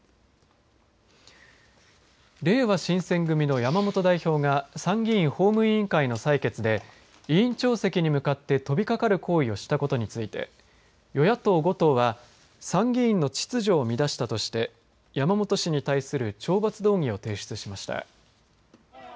れいわ新選組の山本代表が参議院法務委員会の採決で委員長席に向かって飛びかかる行為をしたことについて与野党５党は参議院の秩序を乱したとして山本氏に対する懲罰動議を提出しました。